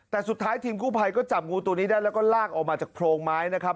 แต่สุดท้ายทีมกู้ภัยก็จับงูตัวนี้ได้แล้วก็ลากออกมาจากโพรงไม้นะครับ